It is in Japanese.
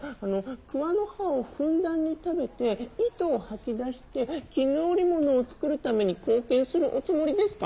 桑の葉をふんだんに食べて糸を吐き出して絹織物を作るために貢献するおつもりですか？